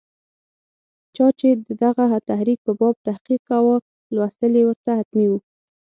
چا چې د دغه تحریک په باب تحقیق کاوه، لوستل یې ورته حتمي وو.